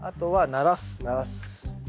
ならす。